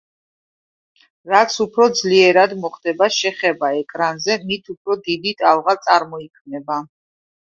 რაც უფრო ძლიერად მოხდება შეხება ეკრანზე, მით უფრო დიდი ტალღა წარმოიქმნება.